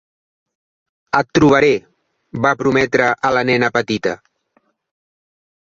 "Et trobaré", va prometre a la nena petita.